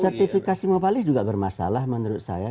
sertifikasi mopalis juga bermasalah menurut saya